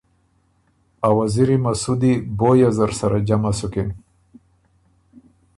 ا وزیري مسودی بویه نر سره جمع سُکِن